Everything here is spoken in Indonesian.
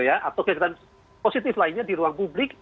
atau kegiatan positif lainnya di ruang publik